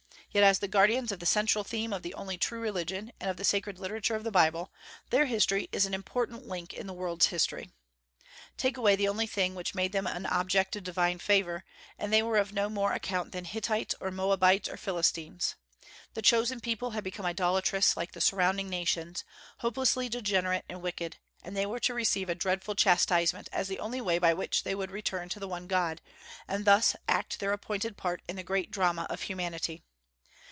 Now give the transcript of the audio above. Yet as the guardians of the central theme of the only true religion and of the sacred literature of the Bible, their history is an important link in the world's history. Take away the only thing which made them an object of divine favor, and they were of no more account than Hittites, or Moabites, or Philistines. The chosen people had become idolatrous like the surrounding nations, hopelessly degenerate and wicked, and they were to receive a dreadful chastisement as the only way by which they would return to the One God, and thus act their appointed part in the great drama of humanity.